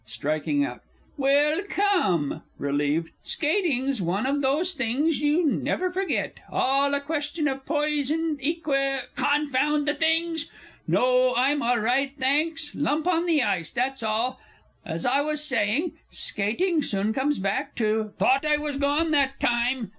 (Striking out.) Well, come (relieved) skating's one of those things you never forget all a question of poise and equi confound the things! No, I'm all right, thanks lump in the ice, that's all! As I was saying, skating soon comes back to thought I was gone that time!